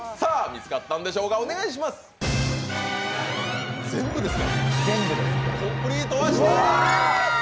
見つかったんでしょうかお願いします。